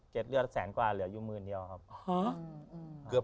เลือดแสนกว่าเหลืออยู่หมื่นเดียวครับ